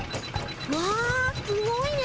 わあすごいね。